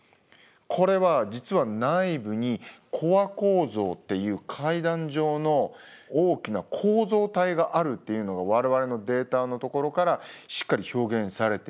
これは実は内部にコア構造っていう階段状の大きな構造体があるっていうのが我々のデータのところからしっかり表現されています。